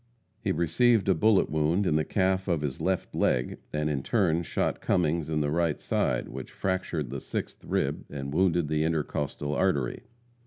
He received a bullet wound in the calf of his left leg, and in turn shot Cummings in the right side, which fractured the sixth rib and wounded the intercostal artery.